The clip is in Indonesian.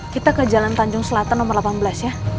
kita ke jalan tanjung selatan nomor delapan belas ya